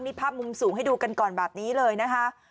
มีภาพมุมสูงให้ดูกันก่อนแบบนี้เลยนะคะ